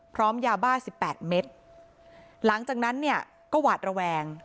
พร้อมยาบ้าสิบแปดเม็ดหลังจากนั้นเนี่ยก็หวาดระแวง